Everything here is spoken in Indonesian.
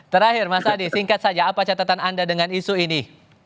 terakhir mas adi singkat saja apa catatan anda dengan isu ini